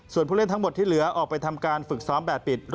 ส่วนผู้เล่นทั้งหมดที่เหลือออกไปทำการฝึกซ้อมแบบปิด